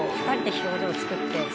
２人で表情を作って